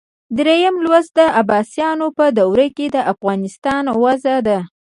دریم لوست د عباسیانو په دوره کې د افغانستان وضع ده.